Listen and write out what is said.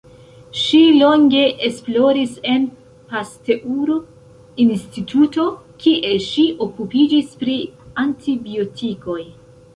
Ŝi longe esploris en Pasteur Instituto, kie ŝi okupiĝis pri antibiotikoj.